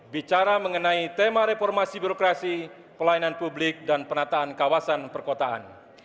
bicara mengenai tema reformasi birokrasi pelayanan publik dan penataan kawasan perkotaan